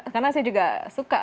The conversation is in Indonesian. karena saya juga suka